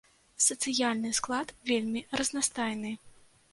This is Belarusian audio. Сацыяльны склад вельмі разнастайны.